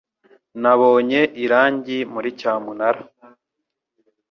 Nabonye irangi muri cyamunara.